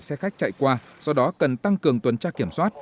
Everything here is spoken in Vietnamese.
xe khách chạy qua do đó cần tăng cường tuần tra kiểm soát